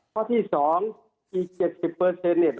ข้อที่๒อีก๗๐เปอร์เซ็นต์